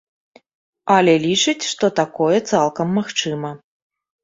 Але лічыць, што такое цалкам магчыма.